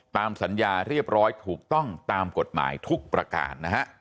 ตามสัญญาเรียบร้อยถูกต้องตามกฎหมายทุกประการนะฮะ